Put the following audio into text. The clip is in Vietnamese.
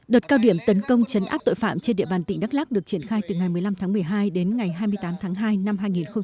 đợt cao điểm tấn công chấn áp tội phạm trên địa bàn tỉnh đắk lắc được triển khai từ ngày một mươi năm tháng một mươi hai đến ngày hai mươi tám tháng hai năm hai nghìn hai mươi